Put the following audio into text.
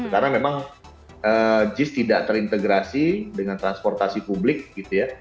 karena memang jis tidak terintegrasi dengan transportasi publik gitu ya